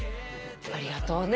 ありがとうね。